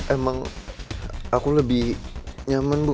emang aku lebih nyaman bu